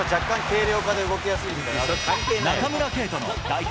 中村敬斗の代表